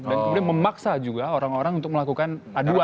kemudian memaksa juga orang orang untuk melakukan aduan